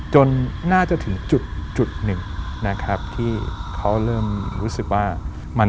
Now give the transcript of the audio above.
น่าจะถึงจุดหนึ่งนะครับที่เขาเริ่มรู้สึกว่ามัน